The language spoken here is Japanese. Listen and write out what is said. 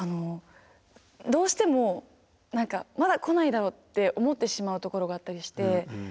どうしても何かまだ来ないだろうって思ってしまうところがあったりして。